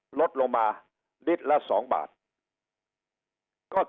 ก็ถือว่าทุนน้ำมันดีเซนก็ลดลงมาลิตรละ๒บาท